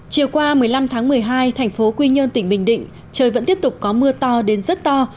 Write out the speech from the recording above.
chiều qua một mươi năm tháng một mươi hai thành phố quy nhơn tỉnh bình định trời vẫn tiếp tục có mưa to đến rất to